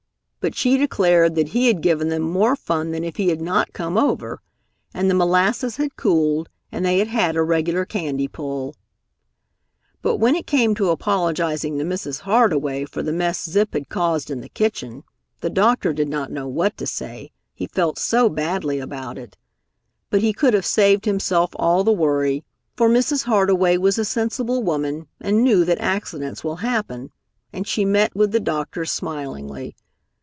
But she declared that he had given them more fun than if he had not come over, and the molasses had cooled and they had had a regular candy pull. But when it came to apologizing to Mrs. Hardway for the mess Zip had caused in the kitchen, the doctor did not know what to say, he felt so badly about it. But he could have saved himself all the worry, for Mrs. Hardway was a sensible woman and knew that accidents will happen, and she met with the doctor smilingly.